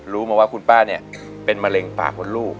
รู้มาว่าคุณป้าเนี่ยเป็นมะเร็งปากมดลูก